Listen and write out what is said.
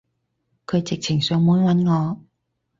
佢直情上門搵我